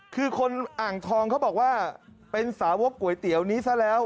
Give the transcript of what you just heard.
คือคนอ่างทองเขาบอกว่าเป็นสาวกก๋วยเตี๋ยวนี้ซะแล้ว